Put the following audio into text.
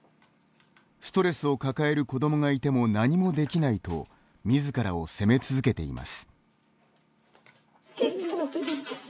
ストレスを抱える子どもがいても何も出来ないと自らを責め続けています。